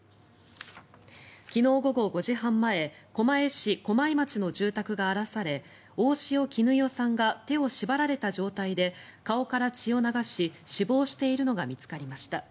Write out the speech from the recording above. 昨日午後５時半前狛江市駒井町の住宅が荒らされ大塩衣興さんが手を縛られた状態で顔から血を流し死亡しているのが見つかりました。